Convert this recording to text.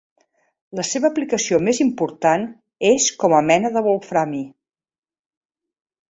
La seva aplicació més important és com a mena de wolframi.